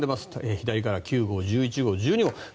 左から９号１１号、１２号です。